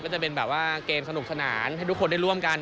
ก็จะเป็นแบบว่าเกมสนุกสนานให้ทุกคนได้ร่วมกัน